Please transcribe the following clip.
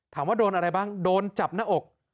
ถามว่าโดนอะไรบ้างโดนจับหน้าอก